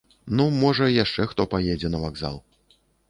Ну, можа, яшчэ хто паедзе на вакзал.